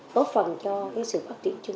góp phần cho cái sự phát triển